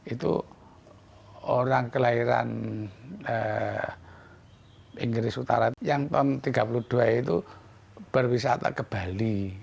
itu orang kelahiran inggris utara yang tahun tiga puluh dua itu berwisata ke bali